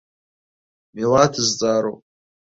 Милаҭ зҵаароуп.